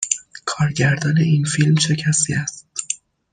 کارگردان این فیلم چه کسی است؟